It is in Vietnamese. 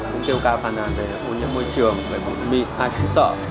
cũng kêu cao phản ảnh về hồn nhiễm môi trường về bụi mịn ai cũng sợ